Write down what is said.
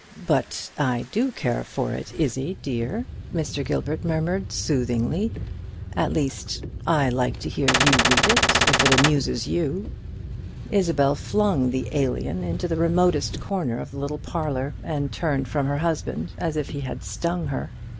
"But I do care for it, Izzie, dear," Mr. Gilbert murmured, soothingly, "at least I like to hear you read, if it amuses you." Isabel flung the "Alien" into the remotest corner of the little parlour, and turned from her husband as if he had stung her.